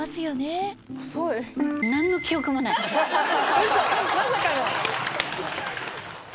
ウソ⁉まさかの！